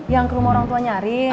yang ke rumah orang tua nyari